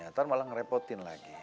ntar malah ngerepotin lagi